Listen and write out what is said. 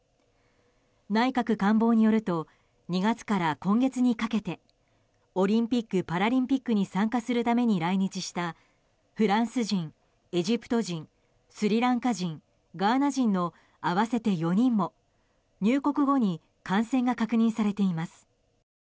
内閣官房によると２月から今月にかけてオリンピック・パラリンピックに参加するために来日したフランス人エジプト人、スリランカ人ガーナ人の合わせて４人も入国後に感染が確認されています。